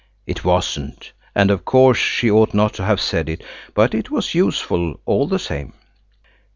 It wasn't, and of course she ought not to have said it, but it was useful all the same.